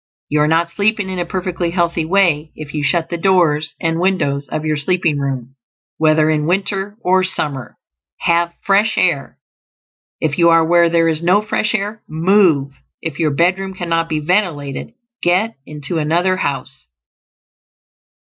You are not sleeping in a perfectly healthy way if you shut the doors and windows of your sleeping room, whether in winter or summer. Have fresh air. If you are where there is no fresh air, move. If your bedroom cannot be ventilated, get into another house.